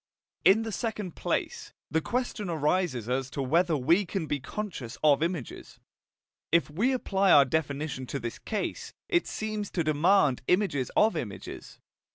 In the second place, the question arises as to whether we can be conscious of images. If we apply our definition to this case, it seems to demand images of images.